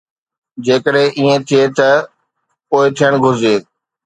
جيڪڏهن ائين ٿئي ته پوءِ ٿيڻ گهرجي.